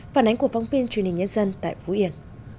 phản ánh của phóng viên truyền hình nhân dân tại phú yên